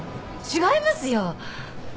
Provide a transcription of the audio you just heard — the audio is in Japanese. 違いますよ！